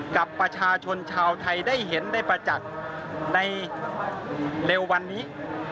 กับประชาชนชาวไทยได้เห็นได้ประจักษ์ในเร็ววันนี้